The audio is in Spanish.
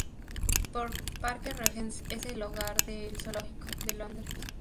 Parque Regent `s es el hogar de el zoológico de Londres.